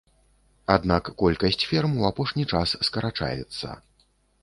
Аднак колькасць ферм у апошні час скарачаецца.